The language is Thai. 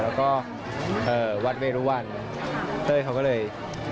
แล้วก็วัดเวรุวันเต้ยเขาก็เลย